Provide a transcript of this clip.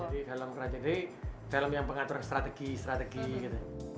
jadi dalam kerajaan jadi film yang pengaturan strategi strategi gitu